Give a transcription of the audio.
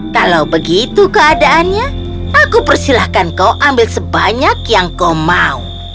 kalau begitu keadaannya aku persilahkan kau ambil sebanyak yang kau mau